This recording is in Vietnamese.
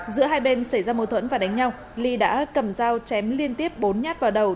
giữa hai bên xảy ra mâu thuẫn và đánh nhau ly đã cầm dao chém liên tiếp bốn nhát vào đầu